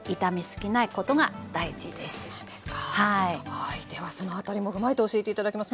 はいではその辺りも踏まえて教えて頂きます。